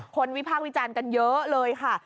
วิพากษ์วิจารณ์กันเยอะเลยค่ะ